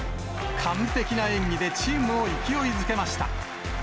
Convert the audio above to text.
完璧な演技でチームを勢いづけました。